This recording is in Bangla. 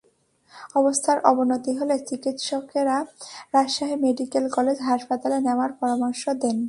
অবস্থার অবনতি হলে চিকিৎসকেরা রাজশাহী মেডিকেল কলেজ হাসপাতালে নেওয়ার পরামর্শ দেন।